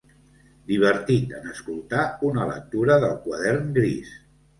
Divertit en escoltar una lectura del Quadern Gris.